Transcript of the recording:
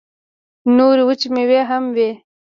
نورې وچې مېوې هم وې.